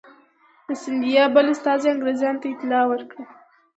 د سیندیا بل استازي انګرېزانو ته اطلاع ورکړه.